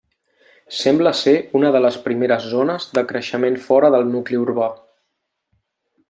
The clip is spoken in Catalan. Sembla ser una de les primeres zones de creixement fora del nucli urbà.